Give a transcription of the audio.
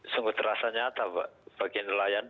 sungguh terasa nyata pak bagi nelayan